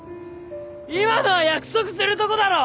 今のは約束するとこだろ。